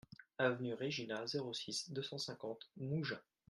Avenue Regina, zéro six, deux cent cinquante Mougins